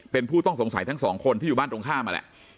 เป็นผู้ต้องสงสัยทั้งสองคนที่อยู่บ้านตรงข้ามนั่นแหละ